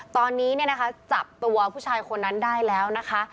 ตอนนี้เนี่ยนะคะจับตัวผู้ชายคนนั้นได้แล้วนะคะ